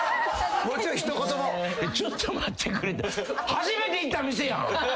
初めて行った店やん。